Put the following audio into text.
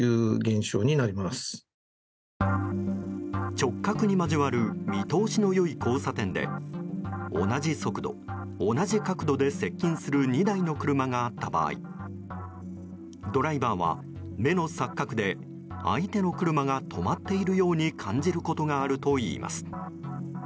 直角に交わる見通しの良い交差点で同じ速度、同じ角度で接近する２台の車があった場合ドライバーは目の錯覚で相手の車が止まっているように感じることがあるといいます。